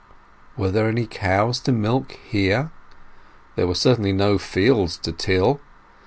Were there any cows to milk here? There certainly were no fields to till.